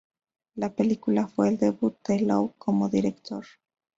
La película fue el debut de Lowe como director.